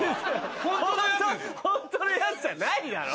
ホントのやつじゃないだろう。